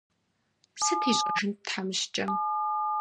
Сыт ищӀэжынт тхьэмыщкӀэм?